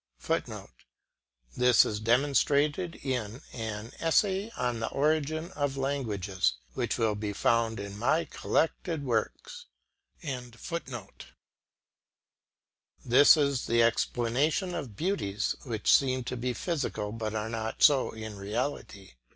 [Footnote: This is demonstrated in an "Essay on the Origin of Languages" which will be found in my collected works.] This is the explanation of beauties which seem to be physical, but are not so in reality.